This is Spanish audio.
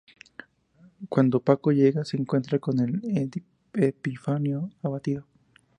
Cuando Paco llega, se encuentra con un Epifanio abatido.